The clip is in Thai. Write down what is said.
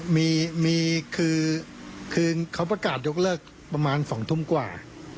มีคือเขาประกาศยกเลิกประมาณ๒ทุ่มกว่า